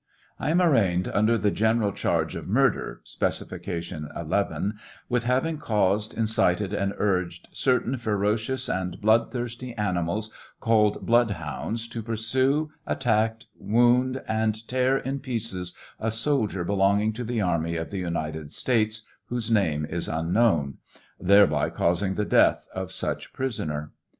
I am arraigned under the general charge of murder, (specification 11,) with having caused, incited, and urged " certain ferocious and blood thirsty animals called bloodhounds to pursue, attack, wound, and tear in pieces a soldier belonging to the army of the United States, whose name is unknown" — thereby causing the death of such prisoner.